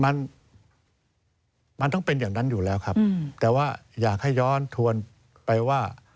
มันมันต้องเป็นอย่างนั้นอยู่แล้วครับแต่ว่าอยากให้ย้อนทวนไปว่า